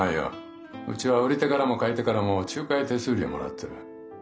うちは売り手からも買い手からも仲介手数料をもらってる。